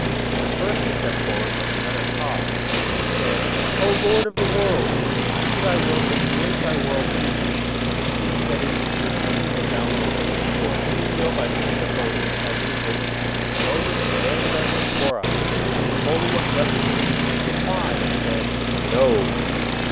The first to step forward was the letter Taw. It said: "O Lord of the world! May it be Thy will to create Thy world through me, seeing that it is through me that Thou wilt give the Torah to Israel by the hand of Moses, as it is written, 'Moses commanded us the Torah.'" The Holy One, blessed be He, made reply, and said, "No!"